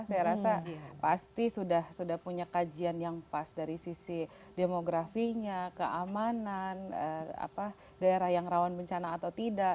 saya rasa pasti sudah punya kajian yang pas dari sisi demografinya keamanan daerah yang rawan bencana atau tidak